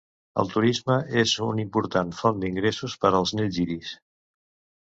El turisme és un important font d'ingressos per als Nilgiris.